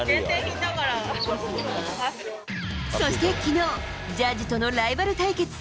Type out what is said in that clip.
そしてきのう、ジャッジとのライバル対決。